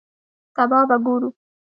سبا به ګورو